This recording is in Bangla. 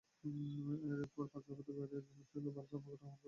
এরপর পাঁচ দফা দাবি আদায়ে অনির্দিষ্টকালের বাস ধর্মঘট আহ্বান করা হয়।